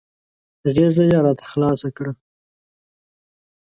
غېږه یې راته خلاصه کړه .